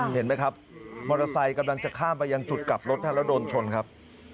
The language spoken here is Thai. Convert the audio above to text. เห็นไหมครับมอเตอร์ไซค์กำลังจะข้ามไปยังจุดกลับรถท่านแล้วโดนชนครับ